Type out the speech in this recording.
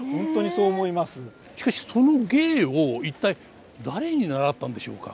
しかしその芸を一体誰に習ったんでしょうか？